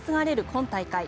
今大会。